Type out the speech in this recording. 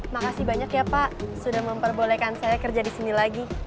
makasih banyak ya pak sudah memperbolehkan saya kerja di sini lagi